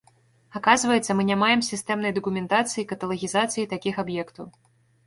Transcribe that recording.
Аказваецца, мы не маем сістэмнай дакументацыі, каталагізацыі такіх аб'ектаў.